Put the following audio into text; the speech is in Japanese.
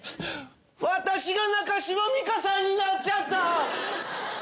私が中島美嘉さんになっちゃった！